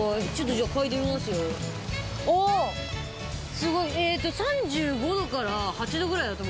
すごい。